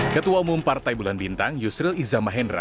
ketua umum partai bulan bintang yusril izamahendra